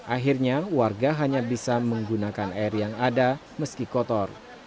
akhirnya warga hanya bisa menggunakan air yang ada meski kotor